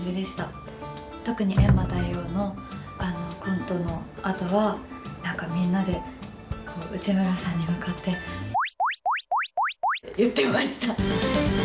特に閻魔大王のコントのあとは何かみんなで内村さんに向かって言ってました。